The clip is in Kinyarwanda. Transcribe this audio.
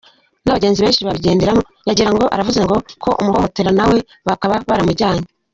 N’abagenzi benshi babigenderamo, yagira ngo aravuze ngo ko umuhohotera, nawe bakaba baramujyanye.